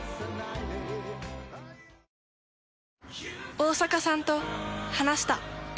大坂さんと話した。